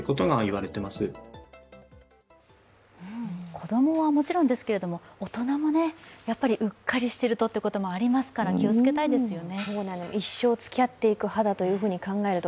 子供はもちろんですけれども大人もやっぱりうっかりしてるとってこともありますから気をつけたいですよね。